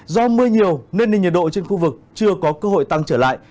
do mưa nhiều nên nền nhiệt độ trên khu vực chưa có cơ hội tăng trở lại